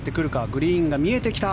グリーンが見えてきた。